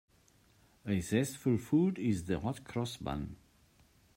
A zestful food is the hot-cross bun.